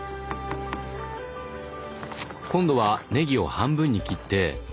今度はねぎを半分に切ってああ